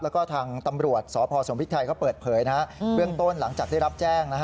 แล้วก็ทางตำรวจสพสมพริกไทยก็เปิดเผยเบื้องต้นหลังจากได้รับแจ้ง